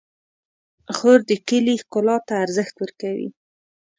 خور د کلي ښکلا ته ارزښت ورکوي.